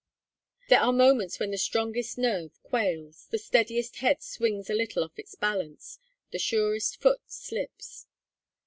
There are moments when the strongest nerve quails, the steadiest head swings a little off its balance, the surest foot slips.